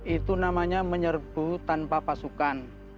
itu namanya menyerbu tanpa pasukan